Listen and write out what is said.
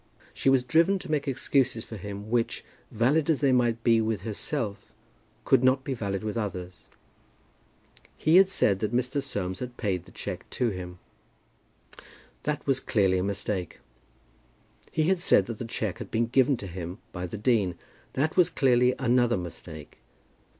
She was driven to make excuses for him which, valid as they might be with herself, could not be valid with others. He had said that Mr. Soames had paid the cheque to him. That was clearly a mistake. He had said that the cheque had been given to him by the dean. That was clearly another mistake.